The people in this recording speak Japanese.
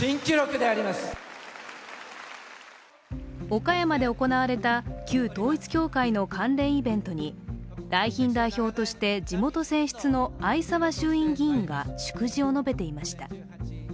岡山で行われた旧統一教会の関連イベントに来賓代表として、地元選出の逢沢衆院議員が祝辞を述べていました。